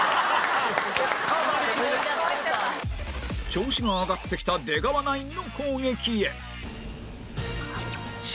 調子が上がってきた出川ナインの攻撃へ